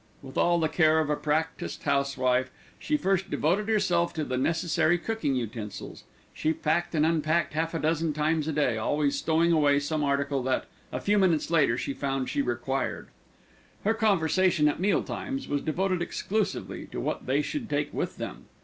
With all the care of a practised housewife, she first devoted herself to the necessary cooking utensils. She packed and unpacked half a dozen times a day, always stowing away some article that, a few minutes later, she found she required. Her conversation at meal times was devoted exclusively to what they should take with them.